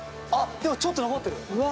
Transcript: あっちょっと残ってる。